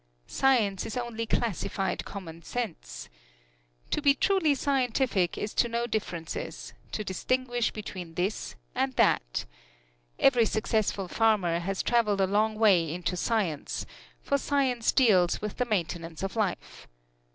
Science is only classified commonsense. To be truly scientific is to know differences to distinguish between this and that. Every successful farmer has traveled a long way into science, for science deals with the maintenance of life.